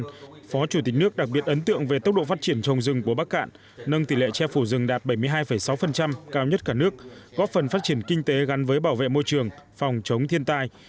trong đó phó chủ tịch nước đặc biệt ấn tượng về tốc độ phát triển trồng rừng của bắc cạn nâng tỷ lệ che phủ rừng đạt bảy mươi hai sáu cao nhất cả nước góp phần phát triển kinh tế gắn với bảo vệ môi trường phòng chống thiên tai